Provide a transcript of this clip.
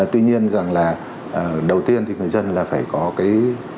tuy nhiên rằng là đầu tiên thì người dân là phải có cái